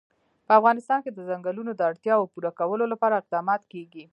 په افغانستان کې د ځنګلونه د اړتیاوو پوره کولو لپاره اقدامات کېږي.